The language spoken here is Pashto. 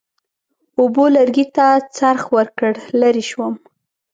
اوبو لرګي ته څرخ ورکړ، لرې شوم.